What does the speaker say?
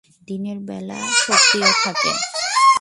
দিনের বেলা সক্রিয় থাকে।